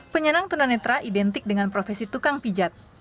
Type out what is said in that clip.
penyenang tuna netra identik dengan profesi tukang pijat